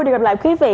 để gặp lại quý vị